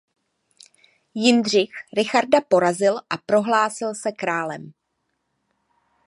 Jindřich Richarda porazil a prohlásil se králem.